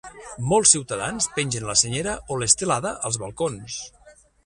Molts ciutadans pengen la senyera o l'estelada als balcons.